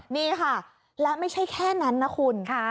นี่ค่ะและไม่ใช่แค่นั้นนะคุณ